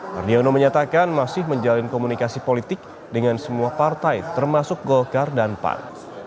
mardiono menyatakan masih menjalin komunikasi politik dengan semua partai termasuk golkar dan pan